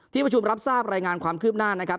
ประชุมรับทราบรายงานความคืบหน้านะครับ